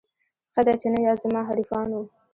ښه دی چي نه یاست زما حریفانو